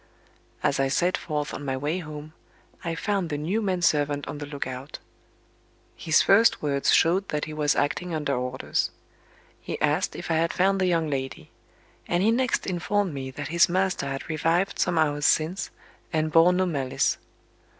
As I set forth on my way home, I found the new man servant on the look out. His first words showed that he was acting under orders. He asked if I had found the young lady; and he next informed me that his master had revived some hours since, and "bore no malice."